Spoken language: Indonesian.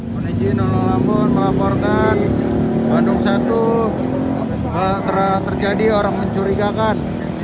mohon izin nololambun melaporkan bandung satu terjadi orang mencurigakan